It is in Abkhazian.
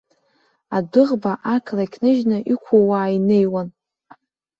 Адәыӷба ақалақь ныжьны иқәууаа инеиуан.